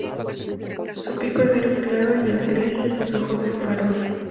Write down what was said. Su pico es gris claro y el iris de sus ojos es pardo.